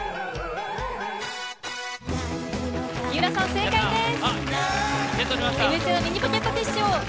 三浦さん、正解です！